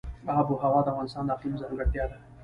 آب وهوا د افغانستان د اقلیم ځانګړتیا ده.